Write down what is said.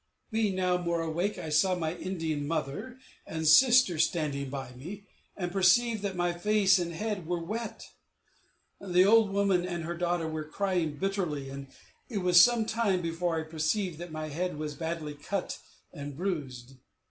Being now more awake, I saw my Indian mother and sister standing by me, and perceived that my face and head were wet. The old woman and her daughter were crying bitterly, but it was some time before I perceived that my head was badly cut and bruised.